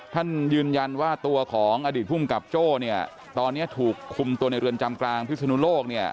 ท่านยืนยันว่าตัวของอดีตภูมิกับโจ้เนี่ยตอนนี้ถูกคุมตัวในเรือนจำกลางพิศนุโลกเนี่ย